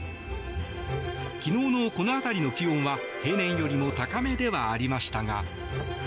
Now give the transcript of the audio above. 昨日のこの辺りの気温は平年よりも高めではありましたが。